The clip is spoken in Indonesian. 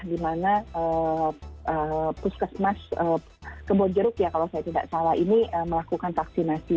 di mana puskesmas kebonjeruk ya kalau saya tidak salah ini melakukan vaksinasi